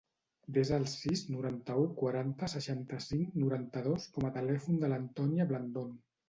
Desa el sis, noranta-u, quaranta, seixanta-cinc, noranta-dos com a telèfon de l'Antònia Blandon.